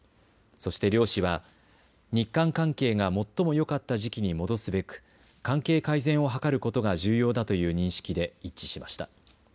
そして両氏は日韓関係が最もよかった時期に戻すべく関係改善を図ることが重要だという認識で一致しました。